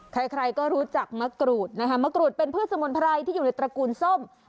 ใครก็รู้จักมะกรูดนะคะมะกรูดเป็นพืชสมุนไพรที่อยู่ในตระกูลส้ม